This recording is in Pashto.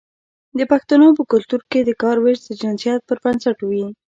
د پښتنو په کلتور کې د کار ویش د جنسیت پر بنسټ وي.